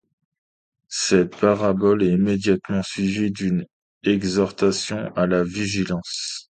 Cette parabole est immédiatement suivie d'une exhortation à la vigilance.